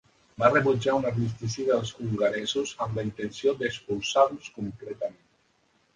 Va rebutjar un armistici dels hongaresos amb la intenció d'expulsar-los completament.